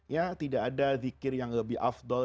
ya tidak ada zikir yang lebih afdol